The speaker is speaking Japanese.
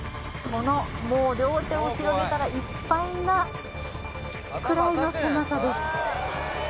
このもう両手を広げたらいっぱいなくらいの狭さです